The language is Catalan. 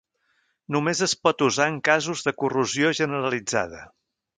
Només es pot usar en casos de corrosió generalitzada.